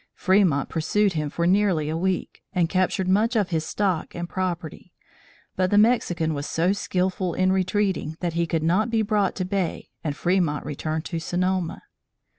Fremont pursued him for nearly a week, and captured much of his stock and property, but the Mexican was so skilful in retreating that he could not be brought to bay and Fremont returned to Sonoma.